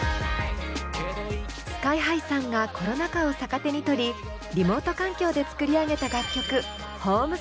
ＳＫＹ−ＨＩさんがコロナ禍を逆手に取りリモート環境で作り上げた楽曲「＃Ｈｏｍｅｓｅｓｓｉｏｎ」。